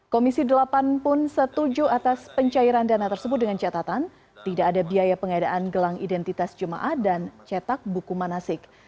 komisi delapan pun setuju atas pencairan dana tersebut dengan catatan tidak ada biaya pengadaan gelang identitas jemaah dan cetak buku manasik